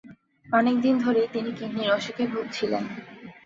অনেকদিন ধরেই তিনি কিডনির অসুখে ভুগছিলেন।